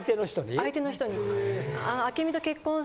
相手の人に。